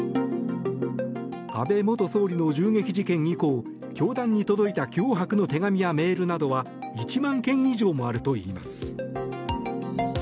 安倍元総理の銃撃事件以降教団に届いた脅迫の手紙やメールなどは１万件以上もあるといいます。